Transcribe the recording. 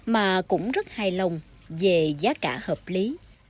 mà cũng rất hài lòng về giá cả hợp lý